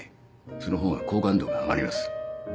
その方が好感度が上がります。